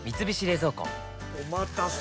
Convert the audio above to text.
おまたせ！